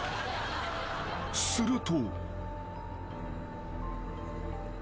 ［すると］